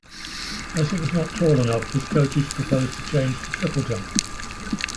As he was not tall enough, his coaches proposed to change to triple jump.